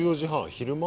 昼間？